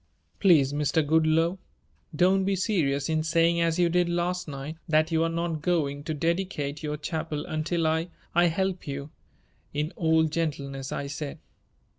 "Please, Mr. Goodloe, don't be serious in saying as you did last night that you are not going to dedicate your chapel until I I help you," in all gentleness I said.